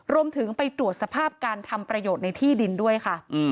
รวมไปถึงไปตรวจสภาพการทำประโยชน์ในที่ดินด้วยค่ะ